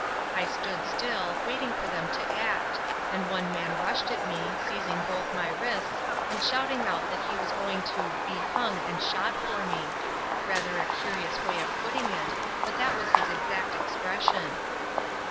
I stood still, waiting for them to act, and one man rushed at me, seizing both my wrists and shouting out that he was going to "be hung and shot for me" rather a curious way of putting it, but that was his exact expression.